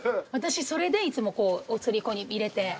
私それでいつもお釣りここに入れて。